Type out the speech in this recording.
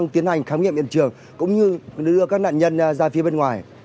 xin chào các bạn